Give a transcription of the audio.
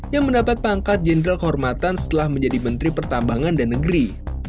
yang mendapat pangkat jenderal kehormatan setelah menjadi menteri pertambangan dan negeri